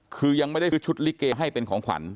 คือยังไม่ได้ซื้อชุดลิเกให้เป็นของขวัญ